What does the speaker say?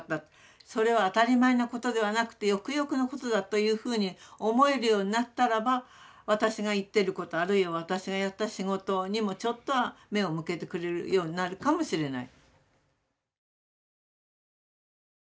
それは当たり前のことではなくてよくよくのことだというふうに思えるようになったらば私が言ってることあるいは私がやった仕事にもちょっとは目を向けてくれるようになるかもしれない。